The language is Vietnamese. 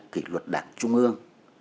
kỷ luật đảng trung ương